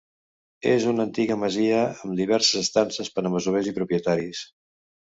És una antiga masia amb diverses estances per a masovers i propietaris.